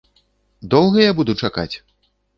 Доўга я буду чакаць?